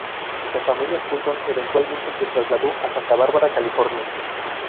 La familia Fulton eventualmente se trasladó a Santa Bárbara, California.